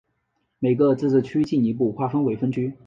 每个自治区进一步划分为分区。